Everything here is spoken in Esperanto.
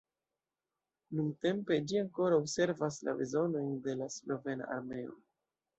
Nuntempe ĝi ankoraŭ servas la bezonojn de la slovena armeo.